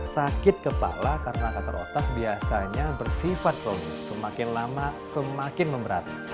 sakit kepala karena kanker otak biasanya bersifat kronis semakin lama semakin memberat